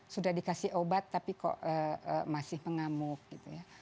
sudah dikasih obat tapi kok masih mengamuk gitu ya